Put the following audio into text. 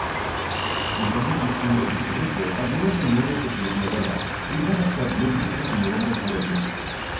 І за некалькі дзесяцігоддзяў адбылася новая сусветная вайна, і замак падвергнуўся новаму разбурэнню.